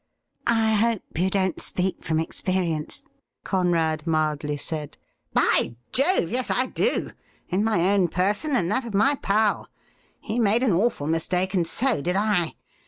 ' I hope you don't speak from experience,' Conrad mildly said. ' By Jove ! yes, I do — in my own person and that of my pal. He made an awful mistake, and so did I.